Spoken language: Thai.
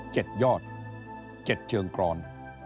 เจ็ดยอดเจ็ดเชืองกรอน